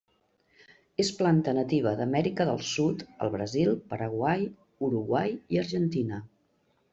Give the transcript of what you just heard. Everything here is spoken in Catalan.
És planta nativa d'Amèrica del Sud, al Brasil, Paraguai, Uruguai i Argentina.